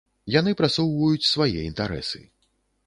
Яны прасоўваюць свае інтарэсы.